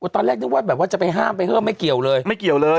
ตอนแรกนึกว่าแบบว่าจะไปห้ามไปห้ามไม่เกี่ยวเลยไม่เกี่ยวเลย